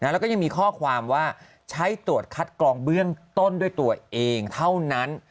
แล้วก็ยังมีข้อความว่าใช้ตรวจคัดกรองเบื้องต้นด้วยตัวเองเท่านั้น